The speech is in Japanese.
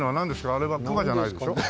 あれは熊じゃないでしょ？